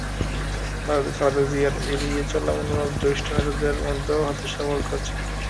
খালেদা জিয়ার এড়িয়ে চলা মনোভাবে জ্যেষ্ঠ নেতাদের মধ্যেও হতাশা ভর করছে।